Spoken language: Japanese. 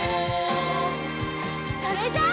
それじゃあ。